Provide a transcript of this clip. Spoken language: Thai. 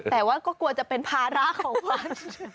แต่ว่าก็กลัวจะเป็นภาระของมัน